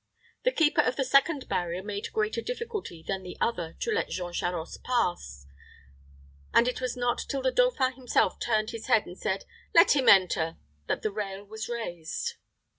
The keeper of the second barrier made greater difficulty than the other to let Jean Charost pass and it was not till the dauphin himself turned his head, and said, "Let him enter," that the rail was raised.